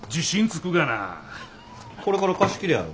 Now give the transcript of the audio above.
これから貸し切りやろ？